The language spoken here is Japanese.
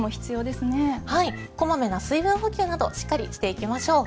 小まめな水分補給などしっかりしていきましょう。